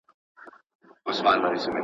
د لويي جرګې پایلي کله په رسنیو کي خپریږي؟